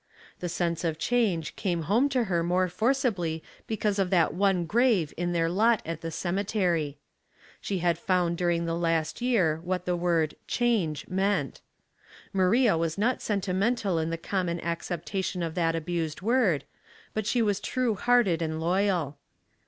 The sense of change came home to her more forcibly because of that one grave in their lot at the cemetery. She had found during the last year Sentiment and Dust, 171 what the word " change '* meant. Maria was not sentimental in the common acceptation of that abused word, but she was true hearted and loyal.